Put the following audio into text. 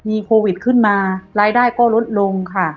มีโควิดขึ้นมารายได้ก็ลดลงค่ะ